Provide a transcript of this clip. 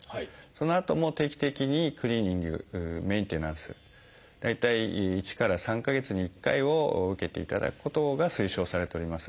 そのあとも定期的にクリーニングメンテナンス大体１から３か月に１回を受けていただくことが推奨されております。